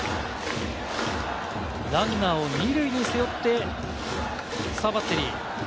ランナーを２塁に背負って、さぁ、バッテリー。